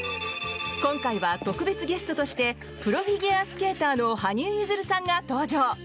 今回は特別ゲストとしてプロフィギュアスケーターの羽生結弦さんが登場。